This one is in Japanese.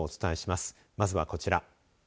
まずはこちら。